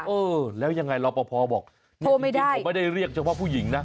เออแล้วยังไงรอปภบอกจริงผมไม่ได้เรียกเฉพาะผู้หญิงนะ